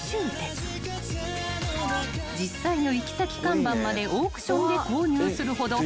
［実際の行き先看板までオークションで購入するほど］